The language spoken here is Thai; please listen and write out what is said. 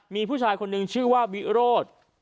มีผู้ชายคนนึงชื่อว่าวิโรธ